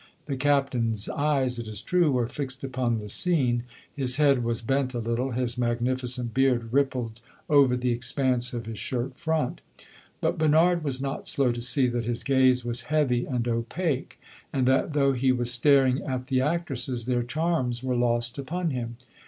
The Captain's eyes, it is true, were fixed upon the scene; his head was bent a little, his magnificent beard rippled over the expanse of his shirt front. But Bernard was not slow to see that his gaze was heavy and opaque, and that, though he was staring at the actresses, their charms were lost upon him.